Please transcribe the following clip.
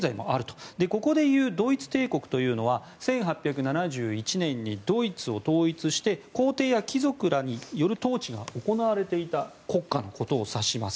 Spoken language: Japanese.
ここでいうドイツ帝国というのは１８７１年にドイツを統一して皇帝や貴族らによる統治が行われていた国家のことを指します。